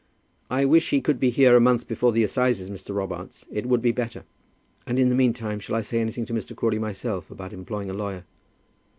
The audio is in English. "I wish he could be here a month before the assizes, Mr. Robarts. It would be better." "And in the meantime shall I say anything to Mr. Crawley, myself, about employing a lawyer?"